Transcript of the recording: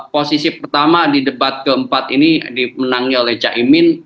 posisi pertama di debat keempat ini dimenangin oleh cak imin